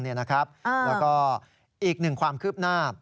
แล้วก็อีกหนึ่งความคืบหน้า